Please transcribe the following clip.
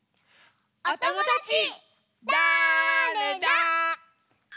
おともだちだれだ？